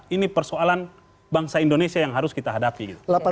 ini persoalan bangsa indonesia yang harus kita hadapi